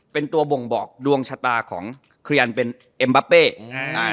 เป็นตัวบ่งบอกดวงชะตาของเครียันเป็นเอ็มบาเป้อ่า